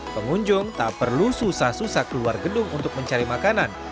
pengunjung tak perlu susah susah keluar gedung untuk mencari makanan